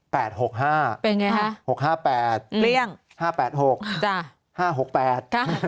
เป็นอย่างไรฮะ๖๕๘เลี้ยง